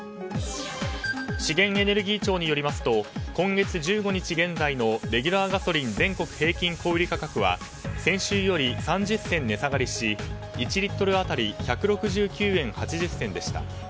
資源エネルギー庁によりますと今月１５日現在のレギュラーガソリン全国平均小売価格は先週より３０銭値下がりし１リットル当たり１６９円８０銭でした。